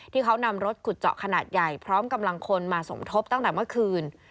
ที่เขานำรถขุดเจาะขนาดใหญ่พร้อมกำลังคนมาสมทบตั้งแต่เมื่อคืน